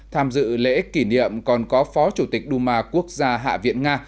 tham dự lễ kỷ niệm còn có phó chủ tịch đu ma quốc gia hạ viện nga